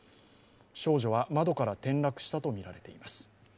少女は窓から転落したとみられています。